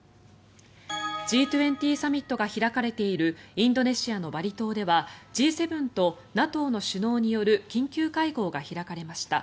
Ｇ２０サミットが開かれているインドネシアのバリ島ではＧ７とＮＡＴＯの首脳による緊急会合が開かれました。